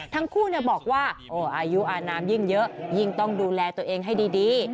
ทั้งคู่บอกว่าอายุอานามยิ่งเยอะยิ่งต้องดูแลตัวเองให้ดี